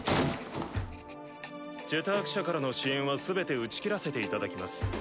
「ジェターク社」からの支援は全て打ち切らせていただきます。